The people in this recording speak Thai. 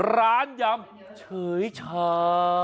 ร้านยำเฉยชา